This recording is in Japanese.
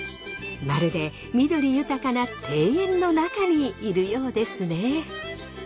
まるで緑豊かな庭園の中にいるようですね。